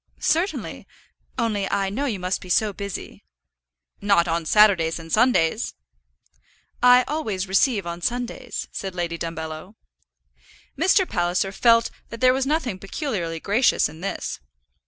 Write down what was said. "Certainly, only I know you must be so busy." "Not on Saturdays and Sundays." "I always receive on Sundays," said Lady Dumbello. Mr. Palliser felt that there was nothing peculiarly gracious in this.